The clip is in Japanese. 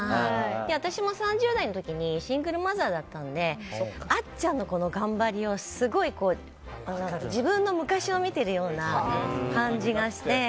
私も３０代の時にシングルマザーだったのであっちゃんの頑張りがすごい自分の昔を見ているような感じがして。